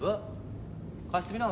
貸してみな。